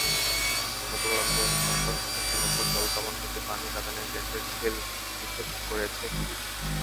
গতকালও আন্দোলনরত শিক্ষার্থীদের ওপর জলকামান থেকে পানি, কাঁদানে গ্যাসের শেল নিক্ষেপ করেছে পুলিশ।